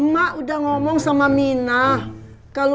karena aku sendiri memintanya